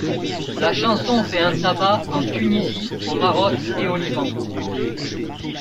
La chanson fait un tabac en Tunisie, au Maroc et au Liban.